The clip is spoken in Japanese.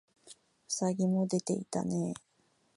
兎もでていたねえ